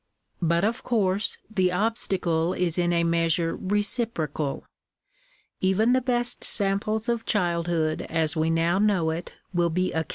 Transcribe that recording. But of course the obstacle is in a measure reciprocal. Even • the best samples of childhood as we now know it will be occa